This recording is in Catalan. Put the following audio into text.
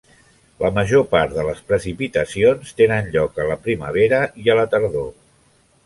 La major part de les precipitacions tenen lloc a la primavera i a la tardor.